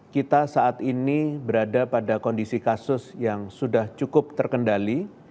kita saat ini berada pada kondisi kasus yang sudah cukup terkendali